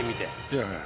いやいや。